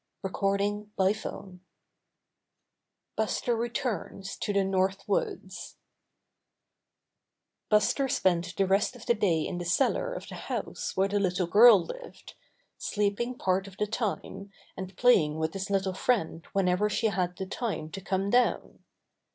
STORY XVI Buster Returns to the North Woods Buster spent the rest of the day in the cellar of the house where the little girl lived, sleep ing part of the time and playing with his little friend whenever she had the time to come down.